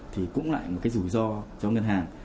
thì cũng lại một cái rủi ro cho ngân hàng